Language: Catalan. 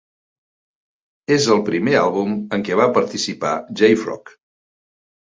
És el primer àlbum en què va participar Jay Frog.